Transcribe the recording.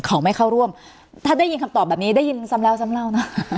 เขาไม่เข้าร่วมถ้าได้ยินคำตอบแบบนี้ได้ยินซ้ำแล้วซ้ำเล่านะ